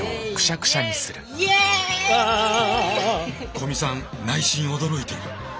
古見さん内心驚いている。